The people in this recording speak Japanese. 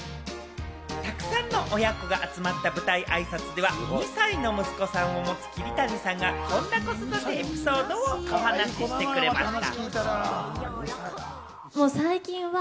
たくさんの親子が集まった舞台あいさつでは、２歳の息子さんを持つ桐谷さんがこんな子育てエピソードを話してくれました。